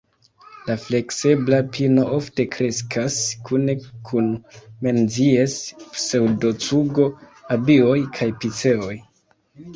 La fleksebla pino ofte kreskas kune kun Menzies-pseŭdocugo, abioj kaj piceoj.